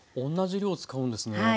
同じ量使うんですね。